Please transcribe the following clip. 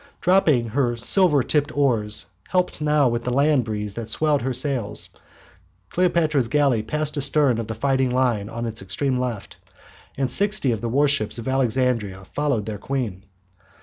Driven by her silver tipped oars, helped now with the land breeze that swelled her sails, Cleopatra's galley passed astern of the fighting line on its extreme left, and sixty of the warships of Alexandria followed their queen.